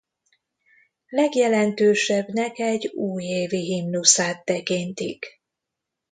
Legjelentősebbnek egy újévi himnuszát tekintik.